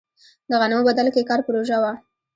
د غنمو بدل کې کار پروژه وه.